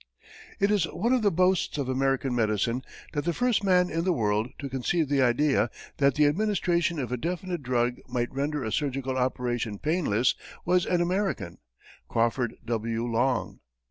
It is one of the boasts of American medicine that the first man in the world to conceive the idea that the administration of a definite drug might render a surgical operation painless was an American Crawford W. Long.